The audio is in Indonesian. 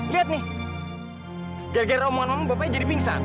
lihat nih gara gara omongan omong bapaknya jadi pingsan